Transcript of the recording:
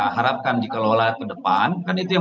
harapkan dikelola ke depan kan itu yang